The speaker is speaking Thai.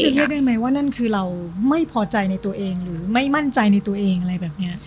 เชื่อได้ไหมว่านั่นคือเราไม่พอใจในตัวเองหรือไม่มั่นใจในตัวเองอะไรแบบนี้